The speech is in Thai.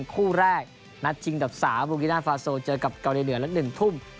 คู่แรกนัดชิงดับ๓บูกิน่าฟาโซเจอกับเกาหลีเหนือและ๑ทุ่ม